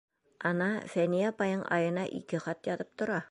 Ана, Фәниә апайың айына ике хат яҙып тора.